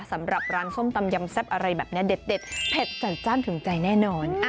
สำหรับร้านส้มตำยำแซ่บอะไรแบบนี้เด็ดเผ็ดจัดจ้านถึงใจแน่นอน